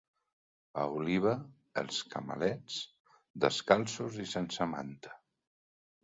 A Oliva, els camalets, descalços i sense manta.